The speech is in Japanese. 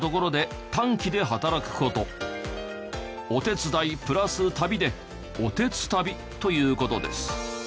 お手伝いプラス旅で「おてつたび」という事です。